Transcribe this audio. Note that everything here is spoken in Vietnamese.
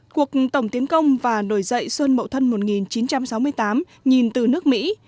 cuộc tổng tiến công và nổi dậy xuân mậu thân một nghìn chín trăm sáu mươi tám nhìn từ nước mỹ